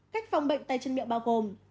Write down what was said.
cách phòng bệnh tay chân miệng bao gồm